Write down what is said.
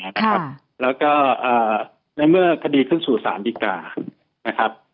ครับฮะแล้วก็อ่าในเมื่อคดีขึ้นสู่สาหรรณ์ดีการนะครับ